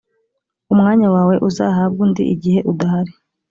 umwanya wawe uzahabwa undi igihe udahari